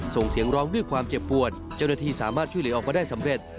ส่งเสียงร้องด้วยความเจ็บปวดเจ้าหน้าที่สามารถช่วยเหลือออกมาได้สำเร็จ